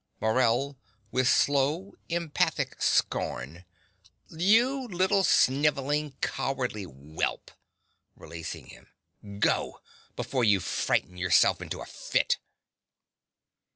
MORELL (with slow, emphatic scorn.) You little snivelling, cowardly whelp. (Releasing him.) Go, before you frighten yourself into a fit.